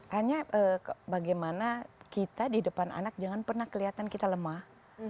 hanya bagaimana kita di depan anak jangan pernah kelihatan kita lemah